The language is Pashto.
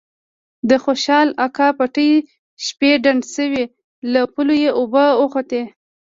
د خوشال اکا پټی شپې ډنډ شوی له پولو یې اوبه اوختي.